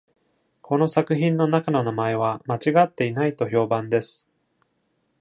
この作品の中の名前は間違っていないと評判です。